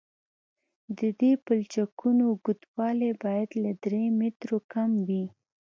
د دې پلچکونو اوږدوالی باید له درې مترو کم وي